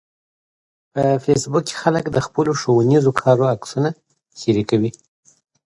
په فېسبوک کې خلک د خپلو ښوونیزو کارونو عکسونه شریکوي